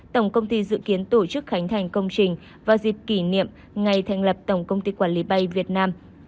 tổng công ty dự kiến tổ chức khánh thành công trình và dịp kỷ niệm ngày thành lập tổng công ty quản lý bay việt nam